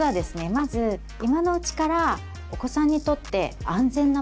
まず今のうちからお子さんにとって安全な場所